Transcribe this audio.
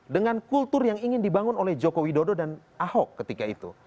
dengan kultur yang ingin dibangun oleh joko widodo dan ahok ketika itu